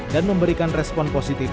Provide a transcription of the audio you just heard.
dan memberikan respon positif